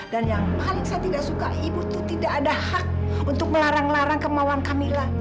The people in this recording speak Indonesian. dan yang paling saya tidak suka ibu itu tidak ada hak untuk melarang larang kemauan kamilah